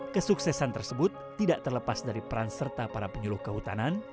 kesuksesan tersebut tidak terlepas dari peran serta para penyuluh kehutanan